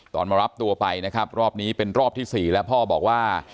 มารับตัวไปนะครับรอบนี้เป็นรอบที่๔แล้วพ่อบอกว่า